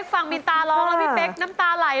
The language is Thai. ขอบคุณค่ะ